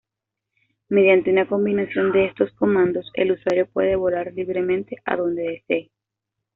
Mediante una combinación de estos comandos, el usuario puede volar libremente a donde desee.